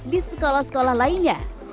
di sekolah sekolah lainnya